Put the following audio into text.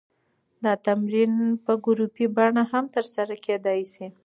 دا تمرین په ګروپي بڼه هم ترسره کېدی شي.